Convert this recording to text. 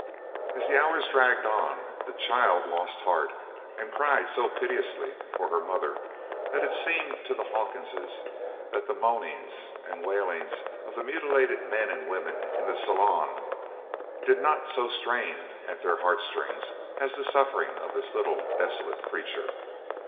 As the hours dragged on the child lost heart, and cried so piteously for her mother that it seemed to the Hawkinses that the moanings and the wailings of the mutilated men and women in the saloon did not so strain at their heart strings as the sufferings of this little desolate creature.